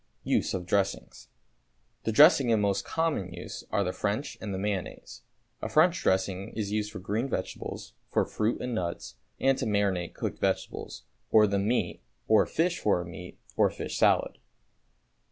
=Use of Dressings.= The dressings in most common use are the French and the mayonnaise. A French dressing is used for green vegetables, for fruit and nuts, and to marinate cooked vegetables, or the meat or fish for a meat or fish salad.